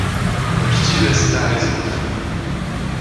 Poczciwy stary zuch!